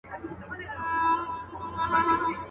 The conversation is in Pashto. ما یې تنې ته زلمۍ ویني اوبه خور ورکاوه.